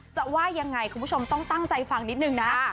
ว่ายังไงคุณผู้ชมต้องตั้งใจฟังนิดนึงนะ